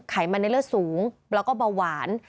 ไขมันในเลือดสูงแล้วก็เบาหวาน